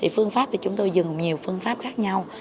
thì phương pháp thì chúng tôi dùng nhiều phương pháp khác nhau